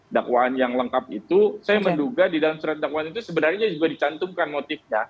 saya menduga di dalam surat dakwaan itu sebenarnya juga dicantumkan motifnya